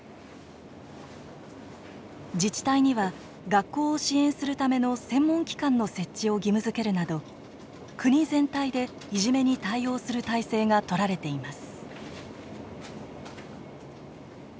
自治体には学校を支援するための専門機関の設置を義務づけるなど国全体でいじめに対応する体制が取られています。